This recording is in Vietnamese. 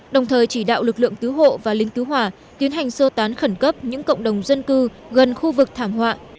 đồng thời chỉ đạo lực lượng cứu hộ và lính cứu hỏa tiến hành sơ tán khẩn cấp những cộng đồng dân cư gần khu vực thảm họa